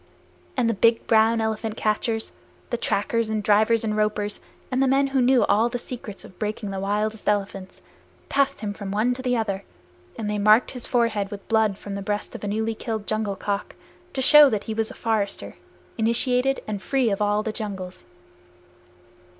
And the big brown elephant catchers, the trackers and drivers and ropers, and the men who know all the secrets of breaking the wildest elephants, passed him from one to the other, and they marked his forehead with blood from the breast of a newly killed jungle cock, to show that he was a forester, initiated and free of all the jungles.